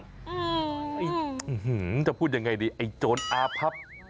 แบบนี้จะพูดอย่างไรดีไอโจรอาพับ